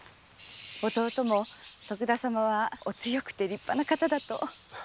弟も徳田様はお強くて立派な方だと。